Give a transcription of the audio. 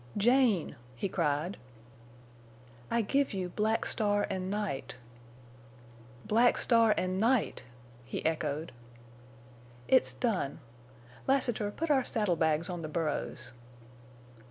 "Jane!" he cried. "I give you Black Star and Night!" "Black Star and Night!" he echoed. "It's done. Lassiter, put our saddle bags on the burros."